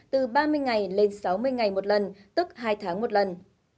từ ba mươi ngày lên sáu mươi ngày một lần tức hai tháng một lần